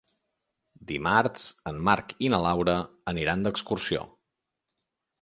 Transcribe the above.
Dimarts en Marc i na Laura aniran d'excursió.